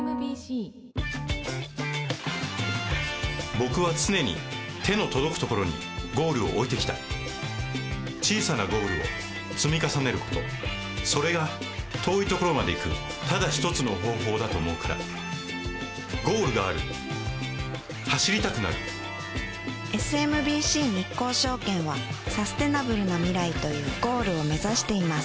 僕は常に手の届くところにゴールを置いてきた小さなゴールを積み重ねることそれが遠いところまで行くただ一つの方法だと思うからゴールがある走りたくなるＳＭＢＣ日興証券はサステナブルな未来というゴールを目指しています